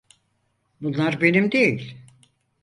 Bunlar benim değil.